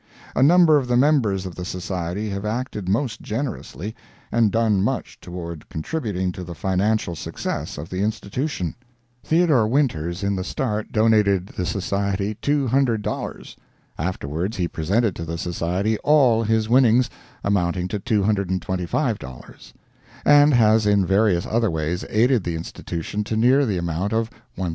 A number of the members of the Society have acted most generously, and done much toward contributing to the financial success of the institution. Theodore Winters in the start donated the Society $200; afterwards he presented to the Society all his winnings, amounting to $225, and has in various other ways aided the institution to near the amount of $1,000.